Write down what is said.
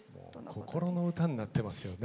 心の歌になってますよね。